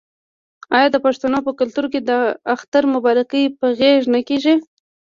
آیا د پښتنو په کلتور کې د اختر مبارکي په غیږ نه کیږي؟